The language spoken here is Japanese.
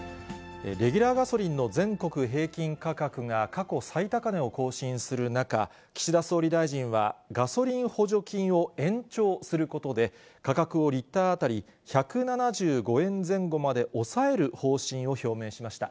レギュラーガソリンの全国平均価格が過去最高値を更新する中、岸田総理大臣は、ガソリン補助金を延長することで、価格をリッター当たり１７５円前後まで抑える方針を表明しました。